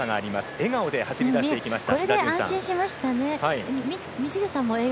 笑顔で走り出していきました。